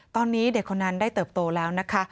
ตอนนี้เด็กคนนั้นได้เติบโตแล้วนะคะ